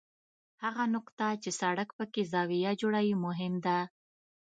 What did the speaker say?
هغه نقطه چې سړک پکې زاویه جوړوي مهم ده